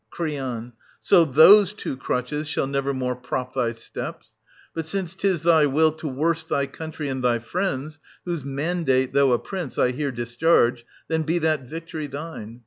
Cr. So those two crutches shall never more prop 850 thy steps. But since 'tis thy will to worst thy country and thy friends — whose mandate, though a prince, I here discharge — then be that victory thine.